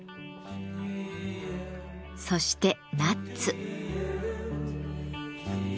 そしてナッツ。